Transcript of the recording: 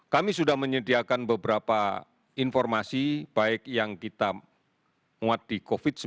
kami sudah menyediakan beberapa informasi baik yang kita muat di covid sembilan belas